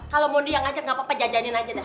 kalo mondi yang ngajak gapapa jajanin aja dah